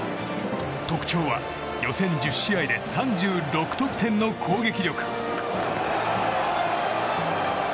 特徴は予選１０試合で３６得点の攻撃力。